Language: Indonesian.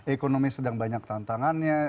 ekonomi sedang banyak tantangannya